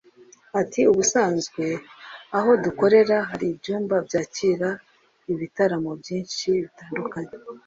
Ati “Ubusanzwe aho dukorera hari ibyumba byakira ibitaramo byinshi bitandukanye